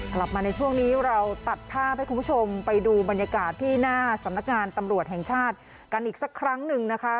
กลับมาในช่วงนี้เราตัดภาพให้คุณผู้ชมไปดูบรรยากาศที่หน้าสำนักงานตำรวจแห่งชาติกันอีกสักครั้งหนึ่งนะคะ